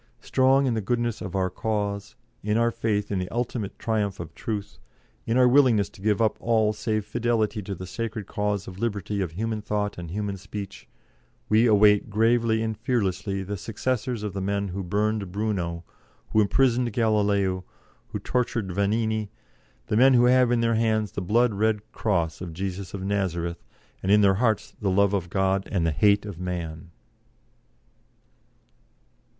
Strong in the goodness of our cause, in our faith in the ultimate triumph of Truth, in our willingness to give up all save fidelity to the sacred cause of liberty of human thought and human speech, we await gravely and fearlessly the successors of the men who burned Bruno, who imprisoned Galileo, who tortured Vanini the men who have in their hands the blood red cross of Jesus of Nazareth, and in their hearts the love of God and the hate of man."